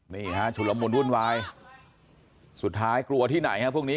นี่ฮะสุรมบุญอุ่นวายสุดท้ายครัวที่ไหนฮะพวกนี้